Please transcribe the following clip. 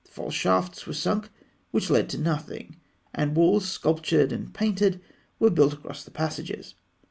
False shafts were sunk which led to nothing, and walls sculptured and painted were built across the passages.